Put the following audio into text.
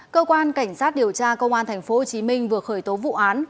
cơ quan cảnh sát điều tra công an tp hcm vừa khởi tố vụ án